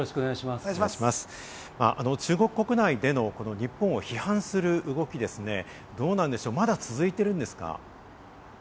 中国国内での日本を批判する動きですね、どうなんでしょう、まだ続いているんですか？